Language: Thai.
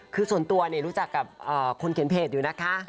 คือส่วนตัวรู้จักกับคนเขียนเพจอยู่นะคะ